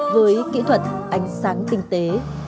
với kỹ thuật ánh sáng tinh tế